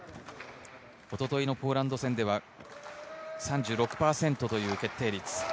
一昨日のポーランド戦では３６％という決定率。